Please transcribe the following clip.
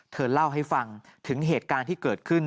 เธอเล่าให้ฟังถึงเหตุการณ์ที่เกิดขึ้น